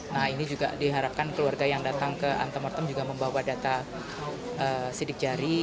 nah ini juga diharapkan keluarga yang datang ke antemortem juga membawa data sidik jari